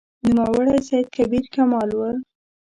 نوموړی سید کبیر کمال و.